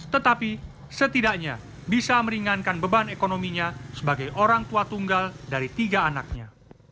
tetapi setidaknya bisa meringankan beban ekonominya sebagai orang tua tunggal dari tiga anaknya